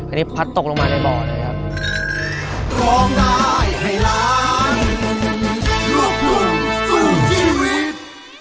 อันนี้พัดตกลงมาในบ่อเลยครับ